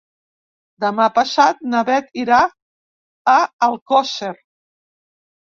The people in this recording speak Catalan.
Demà passat na Beth irà a Alcosser.